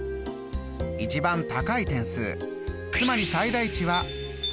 一番高い点数つまり最大値は１００。